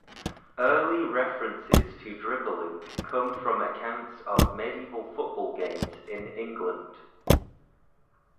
Early references to dribbling come from accounts of medieval football games in England.